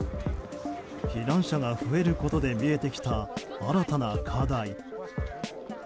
避難者が増えることで見えてきた新たな課題。